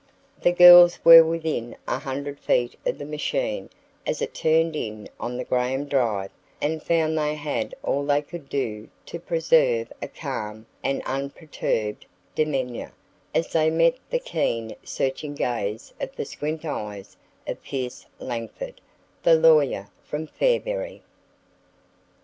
The girls were within 100 feet of the machine as it turned in on the Graham drive and found that they had all they could do to preserve a calm and unperturbed demeanor as they met the keen searching gaze of the squint eyes of Pierce Langford, the lawyer from Fairberry.